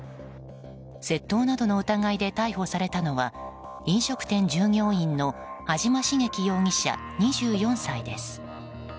窃盗などの疑いで逮捕されたのは飲食店従業員の安島茂樹容疑者、２４歳です。